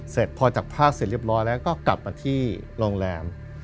เสร็จพอจากผ้าเสร็จเรียบร้อยแล้วก็กลับมาที่โรงแรม